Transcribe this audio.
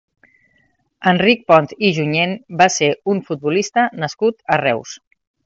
Enric Ponz i Junyent va ser un futbolista nascut a Reus.